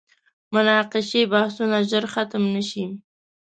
مناقشې بحثونه ژر ختم نه شي.